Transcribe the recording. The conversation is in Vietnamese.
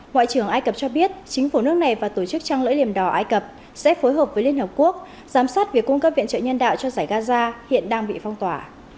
ngoại trưởng ai cập cho biết chính phủ nước này và tổ chức trăng lưỡi liềm đỏ ai cập sẽ phối hợp với liên hợp quốc giám sát việc cung cấp viện trợ nhân đạo cho giải gaza hiện đang bị phong tỏa